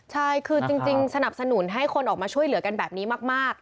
ใช่คือจริงสนับสนุนให้คนออกมาช่วยเหลือกันแบบนี้มาก